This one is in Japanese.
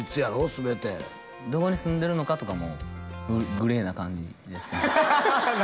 全てどこに住んでるのかとかもグレーな感じですね